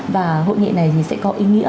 và hội nghị này thì sẽ có ý nghĩa